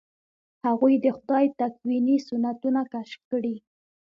هغوی د خدای تکویني سنتونه کشف کړي.